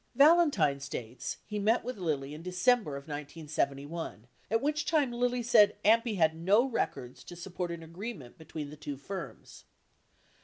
51 Valentine states he met with Lilly in December of 1971, at which time Lilly said AMPI had no records to support an agreement between the two firms.